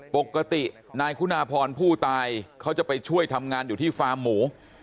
ปกตินายคุณาพรผู้ตายเขาจะไปช่วยทำงานอยู่ที่ฟาร์มหมู